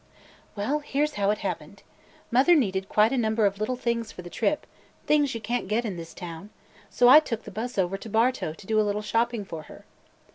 "Well, here 's how it happened. Mother needed quite a number of little things for the trip – things you can't get in this town, – so I took the bus over to Bartow to do a little shopping for her.